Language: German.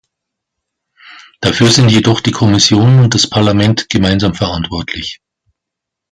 Dafür sind jedoch die Kommission und das Parlament gemeinsam verantwortlich.